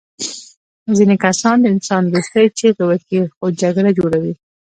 ځینې کسان د انسان دوستۍ چیغې وهي خو جګړه جوړوي